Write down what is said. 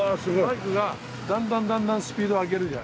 バイクがだんだんだんだんスピード上げるじゃないですか。